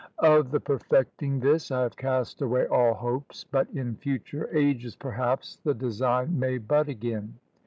"Of the perfecting this I have cast away all hopes; but in future ages, perhaps, the design may bud again."